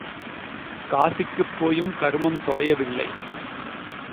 காசிக்குப் போயும் கருமம் தொலையவில்லை